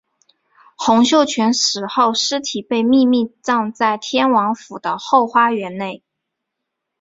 洪秀全死后尸体被秘密葬在天王府的后花园内。